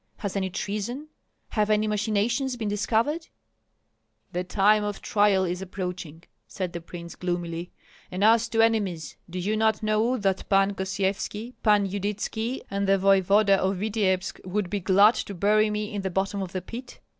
Has any treason, have any machinations been discovered?" "The time of trial is approaching," said the prince, gloomily, "and as to enemies do you not know that Pan Gosyevski, Pan Yudytski, and the voevoda of Vityebsk would be glad to bury me in the bottom of the pit?